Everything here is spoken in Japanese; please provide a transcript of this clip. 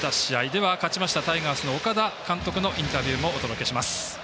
では、勝ちましたタイガースの岡田監督のインタビューもお届けします。